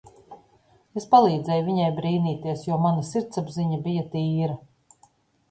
Es palīdzēju viņai brīnīties, jo mana sirdsapziņa bija tīra.